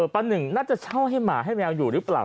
ป้าหนึ่งน่าจะเช่าให้หมาให้แมวอยู่หรือเปล่า